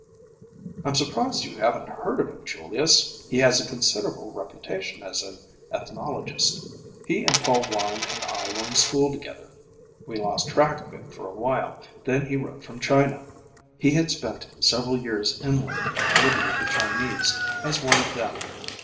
"I'm surprised you haven't heard of him, Julius. He has a considerable reputation as an ethnologist. He and Paul Warren and I were in school together. We lost track of him for a while, then he wrote from China. He had spent several years inland, living with the Chinese, as one of them.